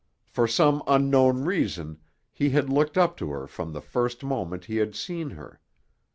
For some unknown reason he had looked up to her from the first moment he had seen her.